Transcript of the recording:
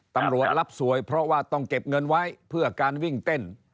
ตำรวจรับสวยเพราะว่าต้องเก็บเงินไว้เพื่อการวิ่งเต้น